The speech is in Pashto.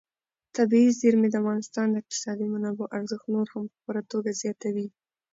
طبیعي زیرمې د افغانستان د اقتصادي منابعو ارزښت نور هم په پوره توګه زیاتوي.